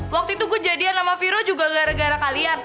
waktu itu gue jadian sama vero juga gara gara kalian